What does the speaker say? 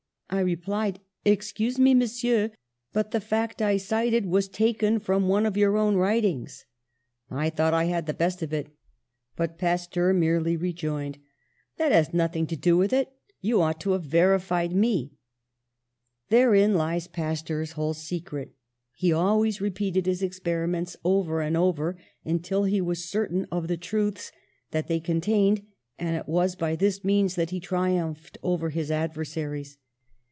"I replied, 'Excuse me, Monsieur, but the fact I cited was taken from one of your own writings.' I thought I had the best of it, but Pasteur merely rejoined, 'That has nothing to do with it; you ought to have verified me.' " Therein lies Pasteur's whole secret: he al ways repeated his experiments over and over until he was certain of the truths that they con tained; and it was by this means that he tri umphed over his adversaries.